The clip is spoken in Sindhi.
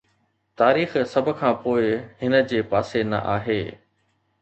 تاريخ سڀ کان پوء هن جي پاسي نه آهي